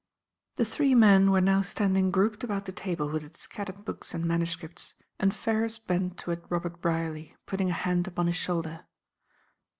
The three men were now standing grouped about the table with its scattered books and manuscripts, and Ferrars bent toward Robert Brierly, putting a hand upon his shoulder.